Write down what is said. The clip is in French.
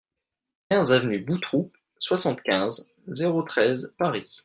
quinze avenue Boutroux, soixante-quinze, zéro treize, Paris